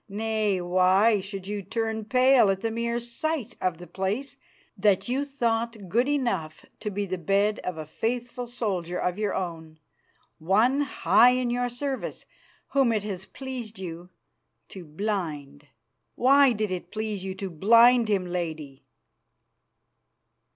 Nay, why should you turn pale at the mere sight of the place that you thought good enough to be the bed of a faithful soldier of your own, one high in your service, whom it has pleased you to blind? Why did it please you to blind him, Lady?"